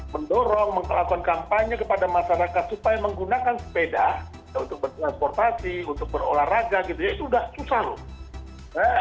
mendorong melakukan kampanye kepada masyarakat supaya menggunakan sepeda untuk bertransportasi untuk berolahraga gitu ya itu sudah susah loh